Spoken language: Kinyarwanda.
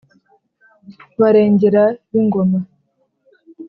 barengera b'ingoma,